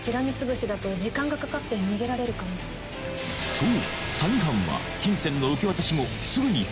そう！